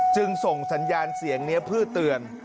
จึงส่งสัญญาณเสียงนี้เพื่อเตือน